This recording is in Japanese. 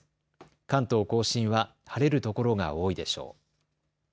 関東甲信は晴れるところが多いでしょう。